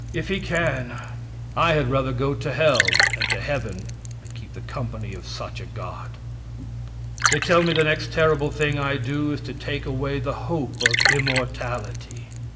If he can, I had rather go to hell than to heaven and keep the company of such a God. They tell me the next terrible thing I do is to take away the hope of immortality.